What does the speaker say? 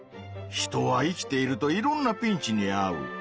人は生きているといろんな「ピンチ」にあう。